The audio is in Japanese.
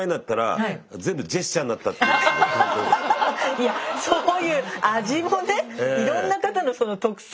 いやそういう味もねいろんな方の特性も生かしてね。